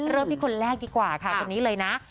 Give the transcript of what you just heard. เริ่มที่คนแรกดีกว่าค่ะคนนี้เลยนะ